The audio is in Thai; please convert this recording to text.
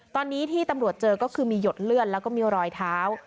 ตอนนี้ที่ตำรวจเจอก็คือมีหยดเลือดแล้วก็มีรอยเท้า